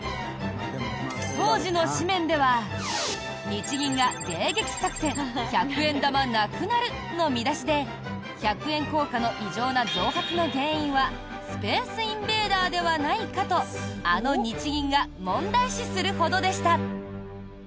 当時の紙面では「日銀が迎撃作戦“百円玉なくなる”」の見出しで百円硬貨の異常な増発の原因は「スペースインベーダー」ではないかとあの日銀が問題視するほどでした。